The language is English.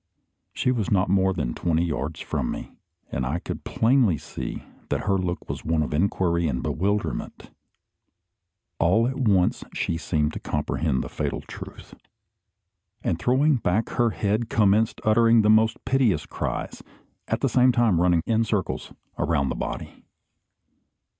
She was not more than twenty yards from me; and I could plainly see that her look was one of inquiry and bewilderment. All at once she seemed to comprehend the fatal truth; and throwing back her head, commenced uttering the most piteous cries, at the same time running in circles around the body.